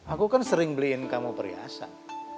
aku kan sering beliin kamu perhiasan